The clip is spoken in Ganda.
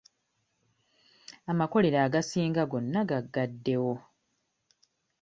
Amakolero agasinga gonna gaggaddewo.